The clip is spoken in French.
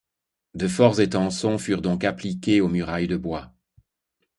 De forts étançons furent donc appliqués aux murailles de bois.